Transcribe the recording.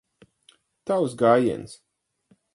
Tavs gājiens.